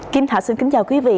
kim thảo xin kính chào quý vị